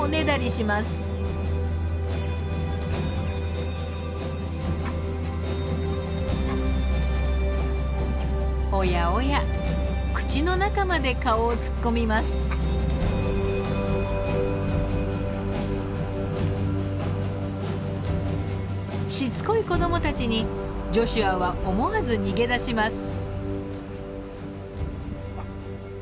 しつこい子どもたちにジョシュアは思わず逃げ出します。